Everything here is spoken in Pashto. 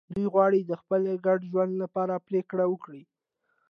دوی غواړي د خپل ګډ ژوند لپاره پرېکړه وکړي.